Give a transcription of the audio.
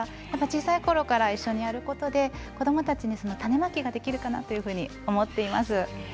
小さいころから一緒にやることで子どもたちに種まきができるかなと思っています。